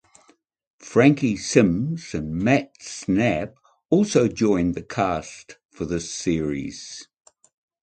Frankie Sims and Matt Snape also joined the cast for this series.